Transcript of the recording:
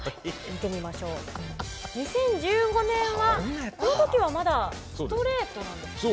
２０１５年はこの時はまだストレートなんですかね？